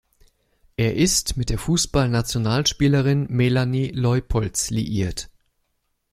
Er ist mit der Fußballnationalspielerin Melanie Leupolz liiert.